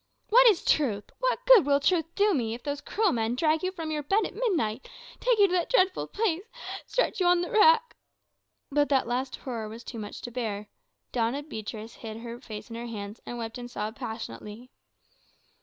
"What is Truth? What good will Truth do me if those cruel men drag you from your bed at midnight, take you to that dreadful place, stretch you on the rack?" But that last horror was too much to bear; Doña Beatrix hid her face in her hands, and wept and sobbed passionately.